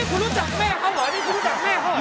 คุณรู้จักแม่เขาเหรอนี่กูรู้จักแม่เขาเหรอ